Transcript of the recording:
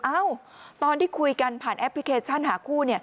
เอ้าตอนที่คุยกันผ่านแอปพลิเคชันหาคู่